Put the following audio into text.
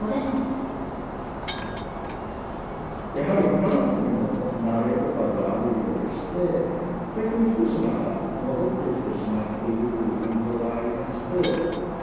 やはりカラスにも、慣れとかがあるようでして、最近、少しまた戻ってきてしまっているという現状がありまして。